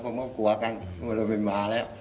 ผมก็ไม่ไหว้ผมก็กลัวกันผมก็ไม่มาแล้ว